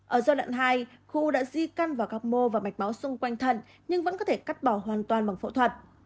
ở giai đoạn hai khu đã di căn vào các mô và mạch máu xung quanh thận nhưng vẫn có thể cắt bỏ hoàn toàn bằng phẫu thuật